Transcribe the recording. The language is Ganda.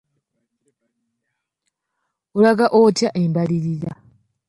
Olaga otya embalirira?